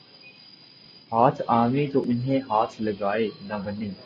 ہاتھ آویں تو انہیں ہاتھ لگائے نہ بنے